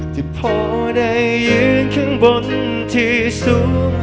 ที่พอได้ยืนข้างบนที่สูง